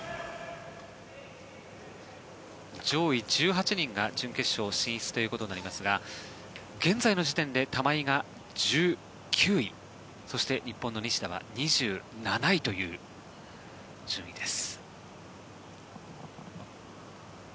上位１８人が準決勝進出ということですが現在の時点で玉井が１９位そして、日本の西田は２７位という順位です。